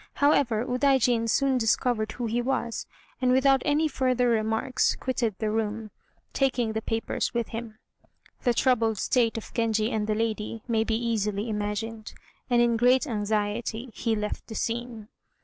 However, Udaijin soon discovered who he was, and without any further remarks quitted the room, taking the papers with him. The troubled state of Genji and the lady may be easily imagined, and in great anxiety he left the scene.